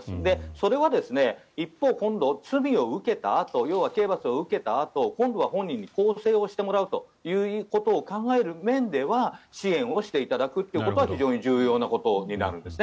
それは一方今度、罪を受けたあと刑罰を受けたあと今度は本人に更生してもらうということを考える面では支援をしていただくということは非常に重要なこととなるんですね。